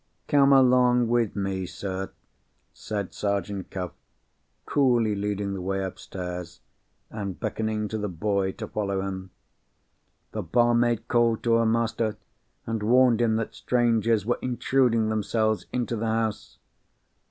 "Come along with me, sir," said Sergeant Cuff, coolly leading the way upstairs, and beckoning to the boy to follow him. The barmaid called to her master, and warned him that strangers were intruding themselves into the house.